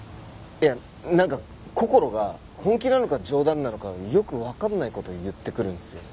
いやなんかこころが本気なのか冗談なのかよくわかんない事言ってくるんですよね。